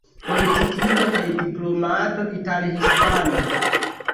Politikisto kaj diplomato ital-hispana.